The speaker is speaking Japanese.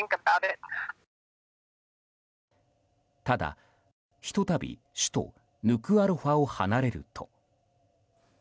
ただ、ひと度首都ヌクアロファを離れると。